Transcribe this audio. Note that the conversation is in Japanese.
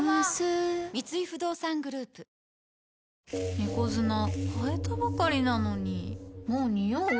猫砂替えたばかりなのにもうニオう？